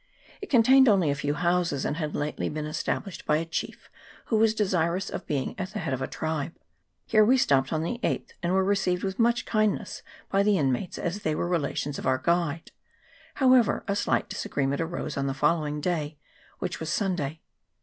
It contained only a few houses, and had lately been established by a chief who was desirous of being at the head of a tribe. Here we stopped on the 8th, and were received with much kindness by the in mates, as they were relations of our guide : however, a slight disagreement arose on the following day, which was Sunday.